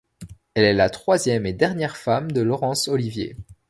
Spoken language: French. Elle est la troisième et dernière femme de Laurence Olivier.